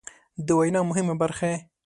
د وينا مهمې برخې